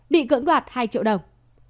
bị cưỡng đoạt hai triệu đồng